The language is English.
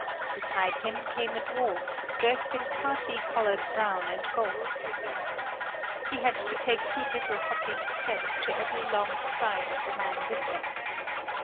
Beside him came a dwarf, dressed in parti colored brown and gold. He had to take two little hopping steps to every long stride of the man with him.